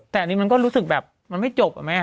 แต่อันนี้มันก็รู้สึกแบบมันไม่จบอะแม่